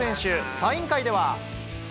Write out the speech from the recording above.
サイン会では。